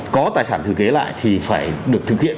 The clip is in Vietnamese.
có tài sản thừa kế lại thì phải được thực hiện